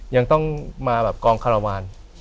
ยังต้องมาแบบกองคารวาล